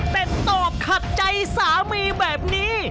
แต่ตอบขัดใจสามีแบบนี้